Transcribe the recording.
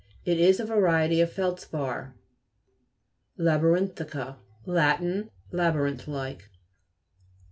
It is a variety of feldspar. LABTRI'NTIIICA Lat. Labyrinth like.